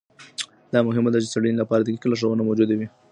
دا مهمه ده چي د څېړنې لپاره دقیقه لارښوونه موجوده وي.